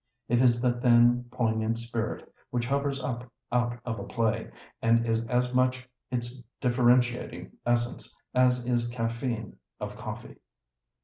It is the thin, poignant spirit which hovers up out of a play, and is as much its differentiating essence as is caffeine of coffee.